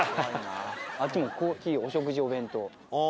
あっちも「コーヒー・お食事・お弁当」。